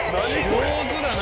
上手だな。